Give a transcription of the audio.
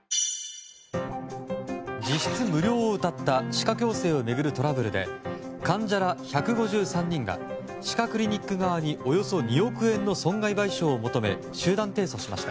実質無料をうたった歯科矯正を巡るトラブルで患者ら１５３人が歯科クリニック側におよそ２億円の損害賠償を求め集団提訴しました。